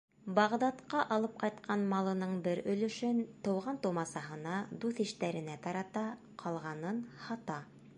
Бағдадҡа алып ҡайтҡан малының бер өлөшөн туған-тыумасаһына, дуҫ-иштәренә тарата, ҡалғанын һата.